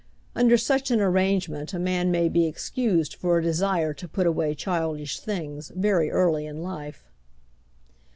Under such an arrangement a man may be excused for a desire to put away childish things very early in life.